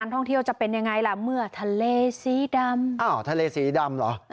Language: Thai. ท่องเที่ยวจะเป็นยังไงล่ะเมื่อทะเลสีดำอ้าวทะเลสีดำเหรอ